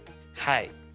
はい。